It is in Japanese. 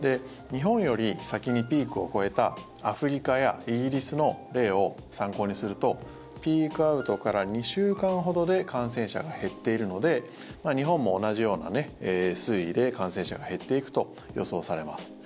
日本より先にピークを越えたアフリカやイギリスの例を参考にするとピークアウトから２週間ほどで感染者が減っているので日本も同じような推移で感染者が減っていくと予想されます。